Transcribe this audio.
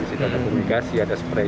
ada fungigasi ada sprey